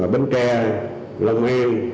bến tre lông an